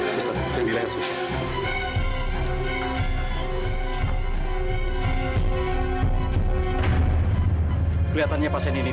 sister jantungnya langsung